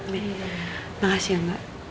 nah makasih ya mbak